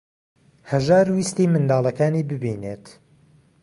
هەژار ویستی منداڵەکانی ببینێت.